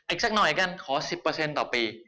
อีกสักหน่อยกันขอ๑๐ต่อปี